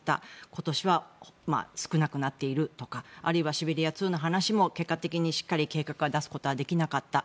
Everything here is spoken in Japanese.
今年は少なくなっているとかあるいはシベリア２の話も結果的にしっかり計画を出すことはできなかった。